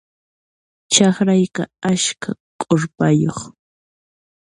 Chakrayqa askha k'urpayuq.